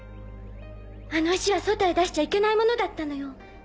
あの石は外へ出しちゃいけないものだったのよ。